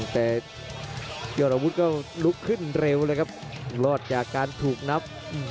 แต่ยอดอาวุธก็ลุกขึ้นเร็วเลยครับรอดจากการถูกนับ